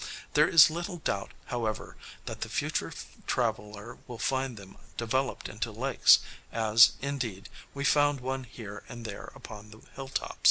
There is little doubt, however, that the future traveller will find them developed into lakes, as, indeed, we found one here and there upon the hilltops.